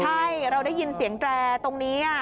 ใช่เราได้ยินเสียงแตรตรงนี้